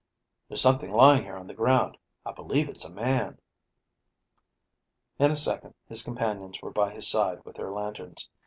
"There's something lying here on the ground. I believe it's a man." In a second his companions were by his side with their lanterns.